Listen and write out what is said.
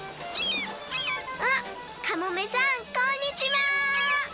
あっカモメさんこんにちは！